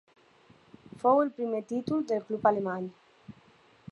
Fou el primer títol del club alemany.